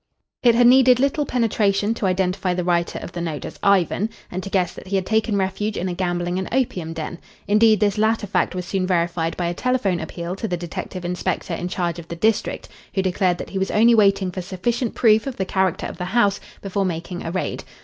It had needed little penetration to identify the writer of the note as Ivan, and to guess that he had taken refuge in a gambling and opium den. Indeed, this latter fact was soon verified by a telephone appeal to the detective inspector in charge of the district, who declared that he was only waiting for sufficient proof of the character of the house before making a raid.